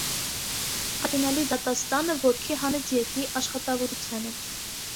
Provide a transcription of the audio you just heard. Արյունալի դատաստանը ոտքի հանեց երկրի աշխատավորությանը։